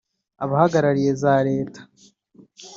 abahagarariye za leta